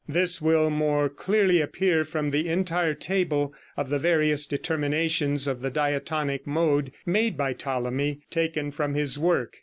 This will more clearly appear from the entire table of the various determinations of the diatonic mode made by Ptolemy, taken from his work.